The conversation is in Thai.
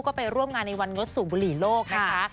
ก็ไปร่วมงานในวันงดสูบบุหรี่โลกนะคะ